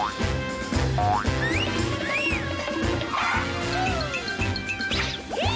จัดการ